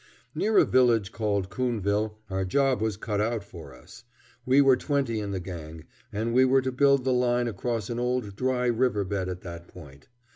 Near a village called Coonville our job was cut out for us. We were twenty in the gang, and we were to build the line across an old dry river bed at that point.